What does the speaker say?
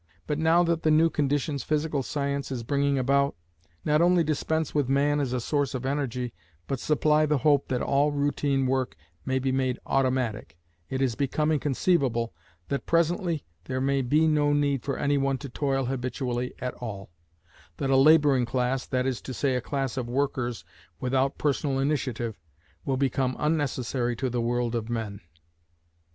But now that the new conditions physical science is bringing about, not only dispense with man as a source of energy but supply the hope that all routine work may be made automatic, it is becoming conceivable that presently there may be no need for anyone to toil habitually at all; that a labouring class that is to say, a class of workers without personal initiative will become unnecessary to the world of men.